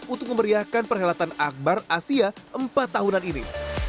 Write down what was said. untuk memeriahkan perhelatan akbar asia empat tahunan ini